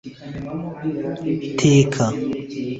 Teka